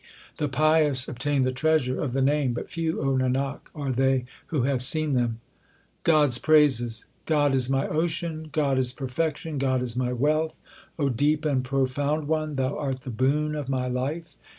The pious obtain the treasure of the Name, but few, O Nanak, are they who have seen them. HYMNS OF GURU ARJAN 115 God s praises : God is my ocean, God is perfection, God is my wealth ; O deep and profound One, Thou art the boon of my life.